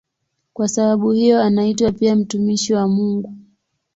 Kwa sababu hiyo anaitwa pia "mtumishi wa Mungu".